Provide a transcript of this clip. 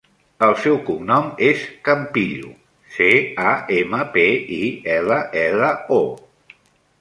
El seu cognom és Campillo: ce, a, ema, pe, i, ela, ela, o.